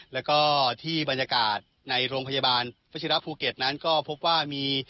แล้วก็ที่บรรยากาศในโรงพยาบาลวัชิระภูเก็ตนั้นก็พบว่ามี